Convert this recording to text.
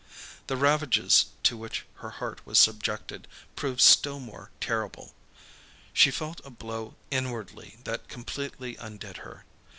The ravages to which her heart was subjected, proved still more terrible. She felt a blow inwardly that completely undid her.